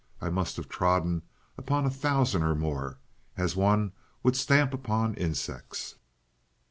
I must have trodden upon a thousand or more, as one would stamp upon insects.